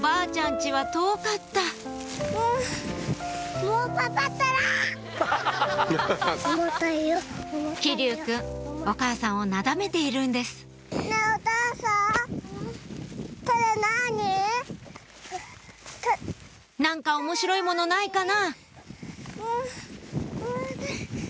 家は遠かった騎琉くんお母さんをなだめているんです何か面白いものないかな？